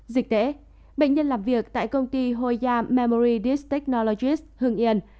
dịch tễ bệnh nhân làm việc tại công ty hoya memory dis technologist hương yên